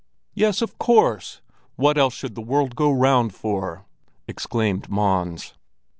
"Yes, of course! What else should the world go round for?" exclaimed Mons.